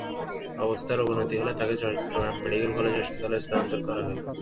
অবস্থার অবনতি হলে তাঁকে চট্টগ্রাম মেডিকেল কলেজ হাসপাতালে স্থানান্তর করা হয়।